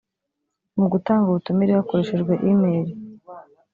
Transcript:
mu gutanga ubutumire hakoreshejwe email